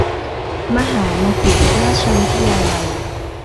มหามกุฏราชวิทยาลัย